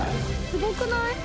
すごくない？